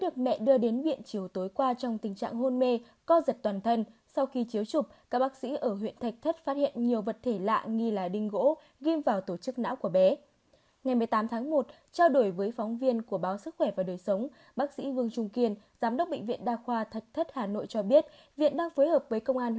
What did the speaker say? các bạn hãy đăng kí cho kênh lalaschool để không bỏ lỡ những video hấp dẫn